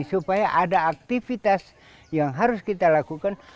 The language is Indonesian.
supaya ada aktivitas yang harus kita lakukan